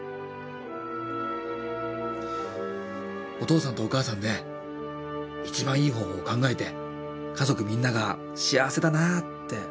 お父さんとお母さんで一番いい方法を考えて家族みんなが幸せだなって思えるように頑張る。